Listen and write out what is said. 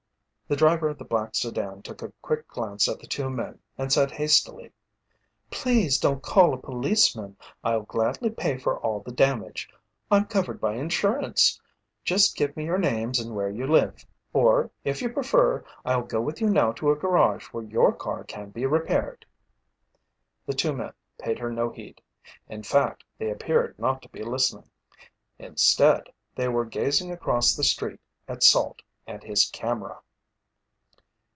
The driver of the black sedan took a quick glance at the two men and said hastily: "Please don't call a policeman. I'll gladly pay for all the damage. I'm covered by insurance. Just give me your names and where you live. Or, if you prefer, I'll go with you now to a garage where your car can be repaired." The two men paid her no heed. In fact, they appeared not to be listening. Instead, they were gazing across the street at Salt and his camera.